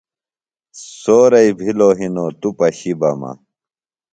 سورئی بِھلوۡ ہِنوۡ توۡ پشیۡ بہ مہ۔